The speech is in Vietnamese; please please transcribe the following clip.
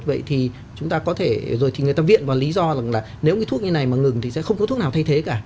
vậy thì chúng ta có thể rồi thì người ta viện vào lý do rằng là nếu cái thuốc như này mà ngừng thì sẽ không có thuốc nào thay thế cả